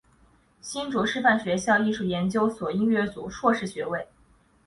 新竹师范学校艺术研究所音乐组硕士学位。